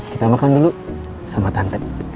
kita makan dulu sama tante